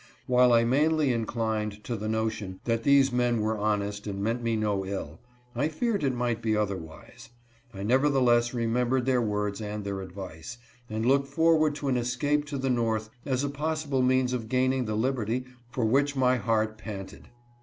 While I mainly inclined to the notion that these men were honest and meant me no ill, I feared it might be other wise. I nevertheless remembered their words and their advice, and looked forward to an escape to the north as a possible means of gaining the liberty for which my heart panted.